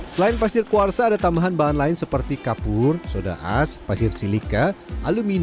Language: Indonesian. selain pasir kuarsa ada tambahan bahan lain seperti kapur soda khas pasir silika alumini